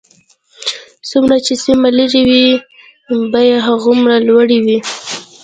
څومره چې سیمه لرې وي بیې هغومره لوړې وي